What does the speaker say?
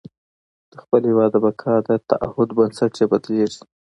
د خپل هېواد د بقا د تعهد بنسټ یې بدلېږي.